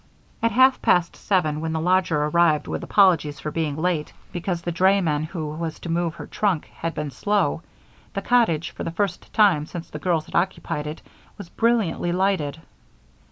At half past seven when the lodger arrived with apologies for being late because the drayman who was to move her trunk had been slow, the cottage, for the first time since the girls had occupied it, was brilliantly lighted.